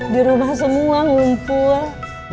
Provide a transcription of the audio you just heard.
di rumah semua ngumpul